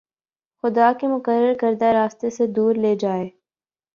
خدا کے مقرر کردہ راستے سے دور لے جائے